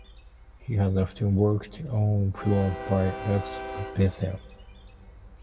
He has often worked on films by Luc Besson.